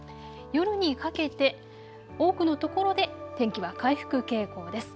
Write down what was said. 夜にかけて多くの所で天気は回復傾向です。